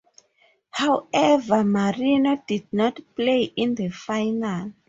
However, Marinho did not play in the final.